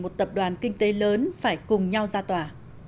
một tập đoàn kinh tế lớn phải cùng nhau ra tòa